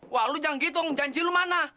wah lo jangan gitu dong janji lo mana